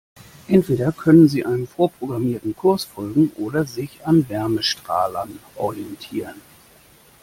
Entweder können sie einem vorprogrammierten Kurs folgen oder sich an Wärmestrahlern orientieren.